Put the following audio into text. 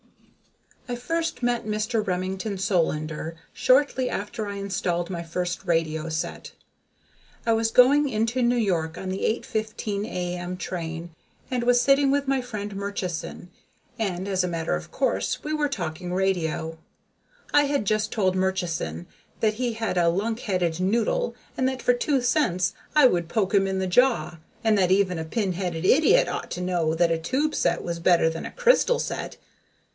_ I first met Mr. Remington Solander shortly after I installed my first radio set. I was going in to New York on the 8:15 A.M. train and was sitting with my friend Murchison and, as a matter of course, we were talking radio. I had just told Murchison that he was a lunkheaded noodle and that for two cents I would poke him in the jaw, and that even a pin headed idiot ought to know that a tube set was better than a crystal set.